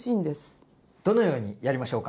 どのようにやりましょうか？